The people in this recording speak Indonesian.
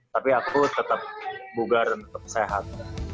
tapi aku tetap bugar tetap sehat